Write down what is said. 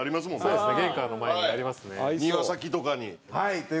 そうですね。